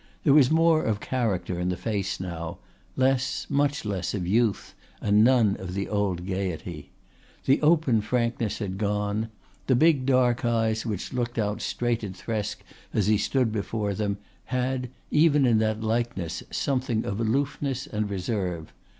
There was more of character in the face now, less, much less, of youth and none of the old gaiety. The open frankness had gone. The big dark eyes which looked out straight at Thresk as he stood before them had, even in that likeness, something of aloofness and reserve.